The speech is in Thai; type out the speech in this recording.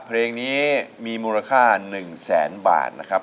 เพลงนี้มีมูลค่า๑แสนบาทนะครับ